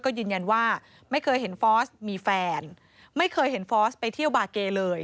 ก็ยืนยันว่าไม่เคยเห็นฟอสมีแฟนไม่เคยเห็นฟอสไปเที่ยวบาเกเลย